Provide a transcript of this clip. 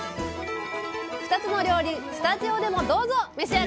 ２つの料理スタジオでもどうぞ召し上がれ！